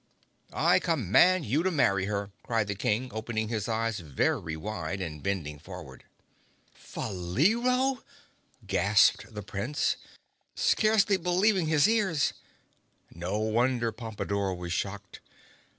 "I command him to marry her!" cried the King opening his eyes very wide and bending forward. [Illustration: (unlabelled)] "Faleero?" gasped the Prince, scarcely believing his ears. No wonder Pompadore was shocked.